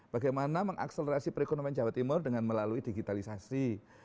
bagaimana mengakselerasi perekonomian jawa timur dengan melalui digitalisasi